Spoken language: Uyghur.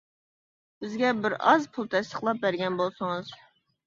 بىزگە بىر ئاز پۇل تەستىقلاپ بەرگەن بولسىڭىز.